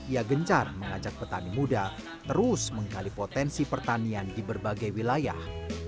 ia gencar mengajak petani muda terus menggali potensi pertanian di berbagai wilayah